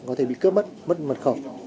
có thể bị cướp mất mất mật khẩu